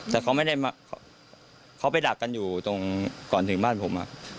แต่เขาไม่ได้เขาไปดักกันอยู่ตรงก่อนถึงบ้านผม